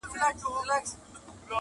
له لېوه څخه پسه نه پیدا کیږي-